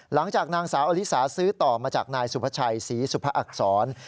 หลังจากนางสาวอลิสาซื้อต่อมาจากนายสุภาชัยศรีสุภอักษร